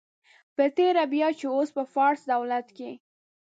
په تېره بیا چې اوس په فارس دولت کې.